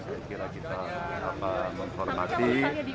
saya kira kita menghormati